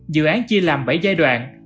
dự án chia làm bảy giai đoạn